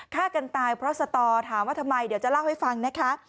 ฆ่ากันตายเพราะสตอถามว่าทำไมเดี๋ยวจะเล่าให้ฟังนะคะ